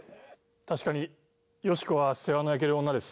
確かにヨシコは世話の焼ける女です。